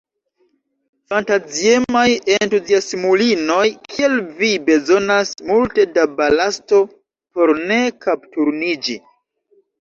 Fantaziemaj entuziasmulinoj, kiel vi, bezonas multe da balasto por ne kapturniĝi.